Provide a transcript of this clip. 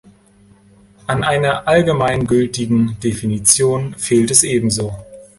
An einer allgemeingültigen Definition fehlt es ebenso.